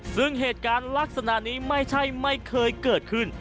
ซึ่งเหตุการณ์ลักษณะนี้ไม่ใช่ไม่เคยเกิดขึ้น